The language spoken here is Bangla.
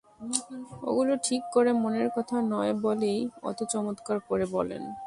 ওগুলো ঠিক ওঁর মনের কথা নয় বলেই অত চমৎকার করে বলেন।